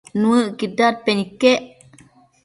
Nuëcquid dadpen iquec